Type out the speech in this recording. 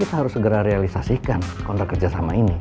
kita harus segera realisasikan kontrak kerja sama ini